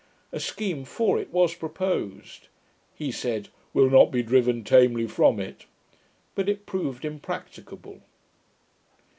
A scheme for it was proposed. He said, 'We'll not be driven tamely from it': but it proved impracticable.